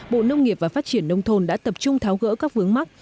bộ nông nghiệp và phát triển nông thôn đã tập trung tháo gỡ các vướng mắt